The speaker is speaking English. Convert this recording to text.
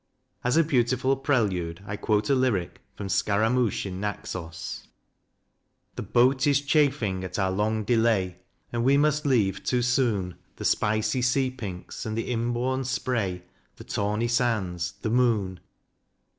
As a beautiful prelude I quote a lyric from " Scaramouch in Naxos ": The boat is chafing at our long delay, And we must leave too soon The spicy sea pinks and the inborne spray, The tawny sands, the moon.